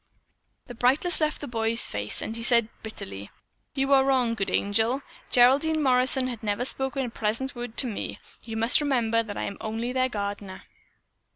The brightness left the boy's face, and he said bitterly, "You are wrong, Good Angel. Geraldine Morrison has never spoken a pleasant word to me. You must remember I am only their gardener."